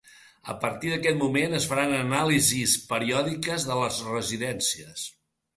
A partir d’aquest moment es faran anàlisis periòdiques de les residències.